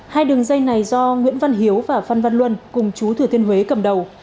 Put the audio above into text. hai đường dây này do nguyễn văn hiếu và phan văn luân cùng chú thừa thiên huế cầm đầu